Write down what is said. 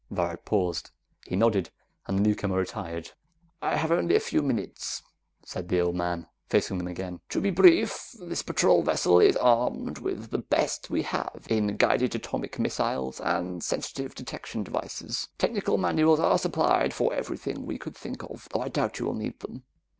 Varret paused. He nodded, and the newcomer retired. "I have only a few minutes," said the old man, facing them again. "To be brief, this patrol vessel is armed with the best we have in guided atomic missiles and sensitive detection devices. Technical manuals are supplied for everything we could think of, though I doubt you will need them.